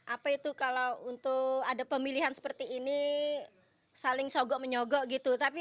apa itu kalau untuk ada pemilihan seperti ini saling sogok menyogok gitu